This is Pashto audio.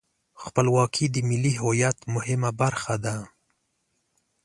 خپلواکي د ملي هویت مهمه برخه ده.